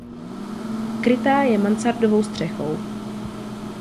Krytá je mansardovou střechou.